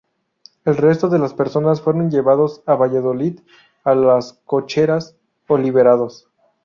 El resto de las personas fueron llevados a Valladolid a las "cocheras" o liberados.